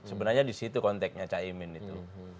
sebenarnya disitu konteknya caimin itu